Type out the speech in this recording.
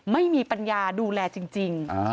ไม่มีปัญญาดูแลจริง